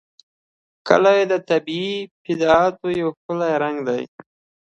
کلي د طبیعي پدیدو یو ښکلی رنګ دی.